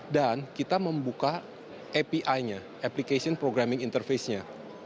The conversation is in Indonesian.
dan kita membuka api nya application programming interface nya